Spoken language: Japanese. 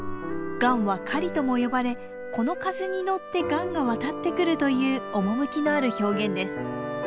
雁は「かり」とも呼ばれこの風に乗って雁が渡ってくるという趣のある表現です。